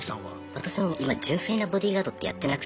私も今純粋なボディーガードってやってなくてですね。